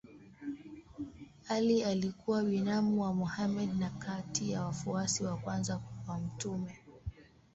Ali alikuwa binamu wa Mohammed na kati ya wafuasi wa kwanza wa mtume.